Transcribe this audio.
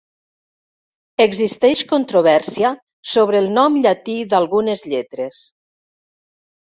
Existeix controvèrsia sobre el nom llatí d'algunes lletres.